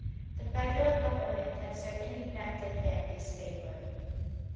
The Federal Government had certainly granted them this favour.